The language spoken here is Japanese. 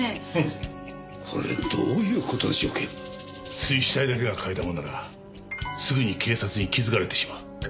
水死体だけが替え玉ならすぐに警察に気づかれてしまう。